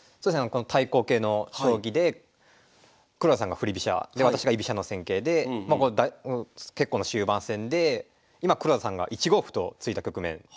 この対抗形の将棋で黒田さんが振り飛車で私が居飛車の戦型で結構な終盤戦で今黒田さんが１五歩と突いた局面。